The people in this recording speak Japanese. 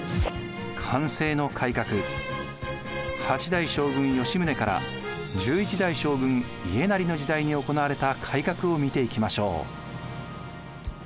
８代将軍・吉宗から１１代将軍・家斉の時代に行われた改革を見ていきましょう。